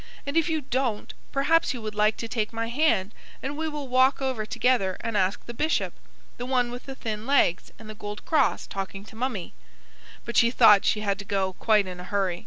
And if you DON'T, perhaps you would like to take my hand, and we will walk over together and ask the Bishop the one with the thin legs, and the gold cross, talking to Mummie." But she thought she had to go, quite in a hurry.